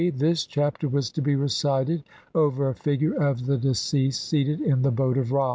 This Chapter was to be recited over a figure of the deceased seated in the boat of Ra.